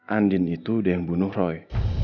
andin itu udah yang bunuh roy